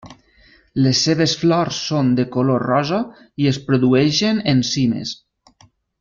Les seves flors són de color rosa i es produeixen en cimes.